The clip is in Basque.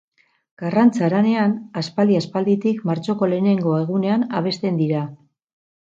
Karrantza Haranean, aspaldi-aspalditik martxoko lehenengo egunean abesten dira.